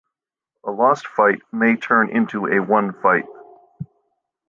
A lost fight may turn into a won fight.